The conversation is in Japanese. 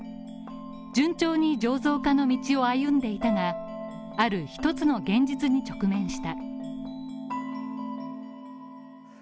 順調に醸造家の道を歩んでいたが、ある一つの現実に直面した。